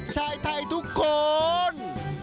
ชายไทยทุกคน